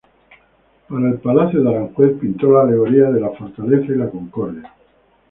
Para el Palacio de Aranjuez pintó las alegorías de la "Fortaleza" y la "Concordia".